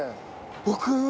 僕。